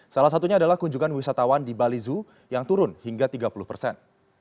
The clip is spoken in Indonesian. salah satunya adalah kunjungan wisatawan di bali zoo yang turun hingga tiga puluh persen